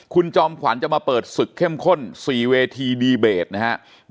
คุณจอมขวัญจะมาเปิดศึกเข้มข้น๔เวทีดีเบตนะครับ